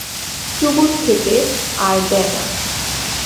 Chubut খেতে, আর দেয় না।